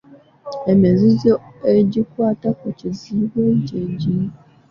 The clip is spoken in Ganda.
Emizizo egikwata ku Kiziibwe gye gino;